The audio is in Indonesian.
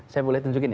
saya boleh tunjukin ya